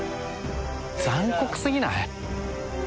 残酷過ぎない？